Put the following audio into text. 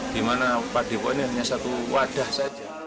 dimana padepokan ini hanya satu wadah saja